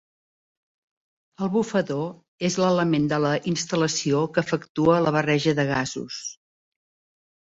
El bufador és l'element de la instal·lació que efectua la barreja de gasos.